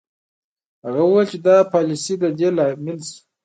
هغه وویل چې دا پالیسۍ د دې لامل شوې